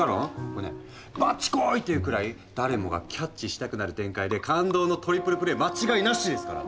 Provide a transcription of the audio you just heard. これね「バッチコーイ！」っていうくらい誰もがキャッチしたくなる展開で感動のトリプルプレー間違いなしですから。